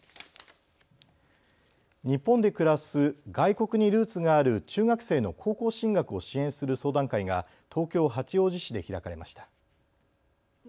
日本で暮らす外国にルーツがある中学生の高校進学を支援する相談会が東京八王子市で開かれました。